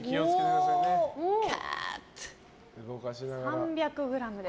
３００ｇです。